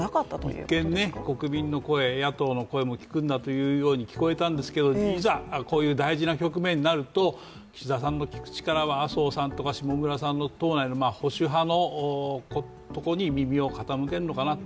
一見ね、国民の声、野党の声も聞くんだというふうに聞こえたんですけれどもいざこういう大事な局面になると岸田さんの聞く力は、麻生さんとか下村さんとか、党内の保守派のことに耳を傾けるのかなと。